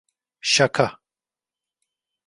Şaka.